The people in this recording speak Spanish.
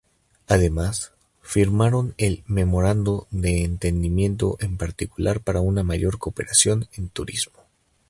Además, firmaron el Memorando de entendimiento en particular para una mayor cooperación en turismo.